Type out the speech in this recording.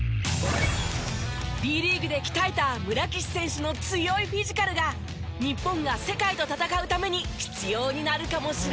Ｂリーグで鍛えた村岸選手の強いフィジカルが日本が世界と戦うために必要になるかもしれません。